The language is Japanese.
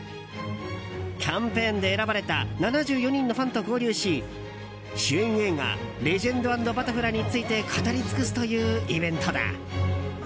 キャンペーンで選ばれた７４人のファンと交流し主演映画「レジェンド＆バタフライ」について語り尽くすというイベントだ。